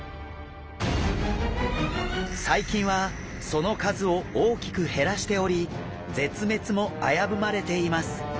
最近はその数を大きく減らしており絶滅も危ぶまれています。